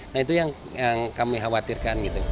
nah itu yang kami khawatirkan gitu